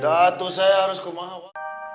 datu saya harus ke mahasiswa